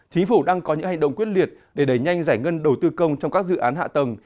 chính phủ đang có những hành động quyết liệt để đẩy nhanh giải ngân đầu tư công trong các dự án hạ tầng